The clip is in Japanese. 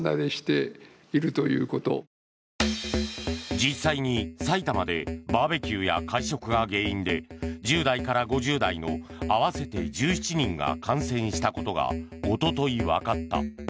実際に、埼玉でバーベキューや会食が原因で１０代から５０代の合わせて１７人が感染したことが一昨日、分かった。